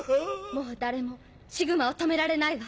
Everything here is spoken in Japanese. もう誰もシグマを止められないわ。